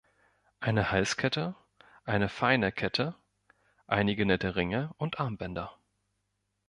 Eine Halskette – eine feine Kette – einige nette Ringe und Armbänder.